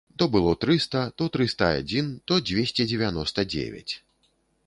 То было трыста, то трыста адзін, то дзвесце дзевяноста дзевяць.